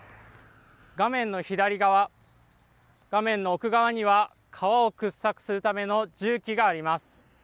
画面の左側、画面の奥側には、川を掘削するための重機があります。